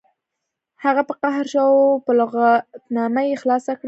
هغه په قهر شو او بله لغتنامه یې خلاصه کړه